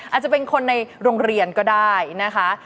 อาจจะเป็นคนในโรงเรียนก็ได้นะคะ